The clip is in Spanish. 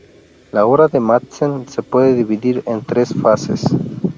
La obra de Madsen se puede dividir en tres fases.